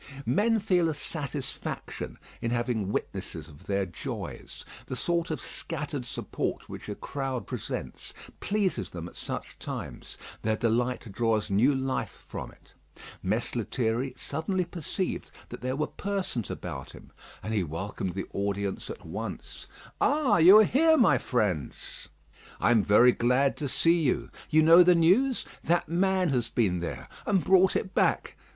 Men feel a satisfaction in having witnesses of their joys. The sort of scattered support which a crowd presents pleases them at such times; their delight draws new life from it. Mess Lethierry suddenly perceived that there were persons about him; and he welcomed the audience at once. "Ah! you are here, my friends? I am very glad to see you. You know the news? That man has been there, and brought it back.